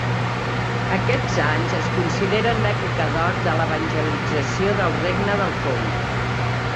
Aquests anys es consideren l'època d'or de l'evangelització del regne del Congo.